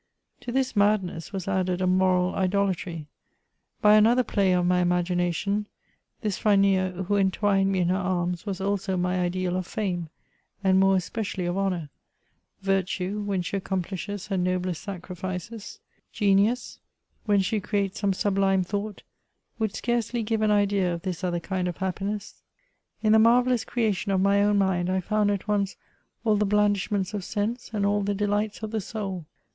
• To this madness was added a moral idolatry ; by another play of my imagination, this Phrynea who entwined me in her arms, was also my ideal of fame, and more especially of honour; virtue, when she accomplishes her noblest sacrifices ; genius. CH ATEAUBRI AND. 139 when she creates some sublime thought, would scarcely give an idea of this other kind of happiness. In the marvellous creation of my own mind, I found at once all the blandish ments of sense, and all the delights of the soul.